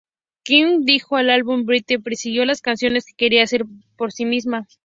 Kwak dijo del álbum: ""Britney persiguió las canciones que quería hacer por sí misma.